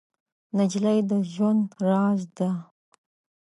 نجلۍ د ژوند راز ده.